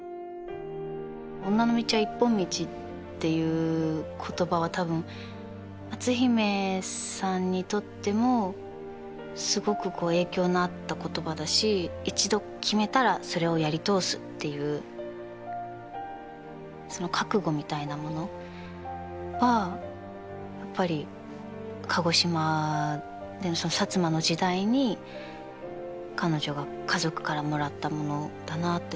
女の道は一本道っていう言葉は多分篤姫さんにとってもすごくこう影響のあった言葉だし一度決めたらそれをやり通すっていうその覚悟みたいなものはやっぱり鹿児島で摩の時代に彼女が家族からもらったものだなって思います。